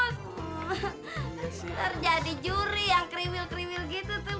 ntar jadi juri yang krimil krimil gitu tuh bang